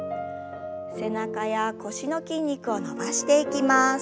背中や腰の筋肉を伸ばしていきます。